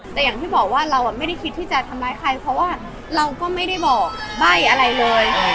แต่อย่างที่บอกว่าเราไม่ได้คิดที่จะทำร้ายใครเพราะว่าเราก็ไม่ได้บอกใบ้อะไรเลย